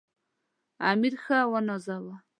امیر ښه ونازاوه.